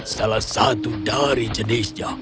salah satu dari jenisnya